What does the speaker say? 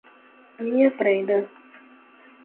Minha prenda